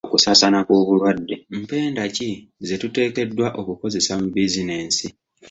Mpenda ki ze tuteekeddwa okukozesa mu bizinensi?